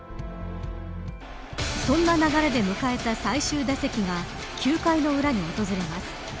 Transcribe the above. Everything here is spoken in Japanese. そんな流れで迎えた最終打席が９回の裏に訪れます。